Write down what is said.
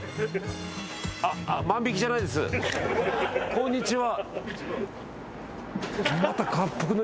こんにちは。